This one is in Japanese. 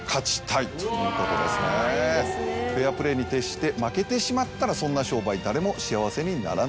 フェアプレーに徹して負けてしまったらそんな商売誰も幸せにならない。